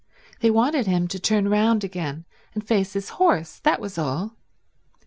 They wanted him to turn round again and face his horse, that was all.